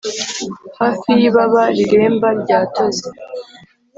'hafi y'ibaba rireremba rya tozi